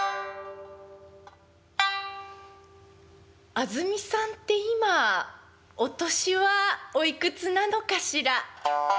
「あずみさんって今お年はおいくつなのかしら？」。